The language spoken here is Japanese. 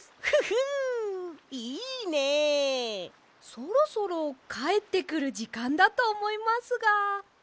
そろそろかえってくるじかんだとおもいますが。